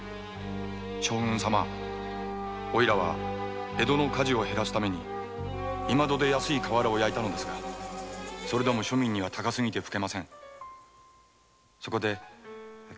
将軍様オイラは江戸の火事を減らすために今戸で安い瓦を焼いたのですが庶民には高すぎてふけません。